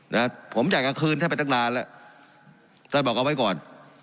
นะผมอยากจะคืนท่านไปตั้งนานแล้วท่านบอกเอาไว้ก่อน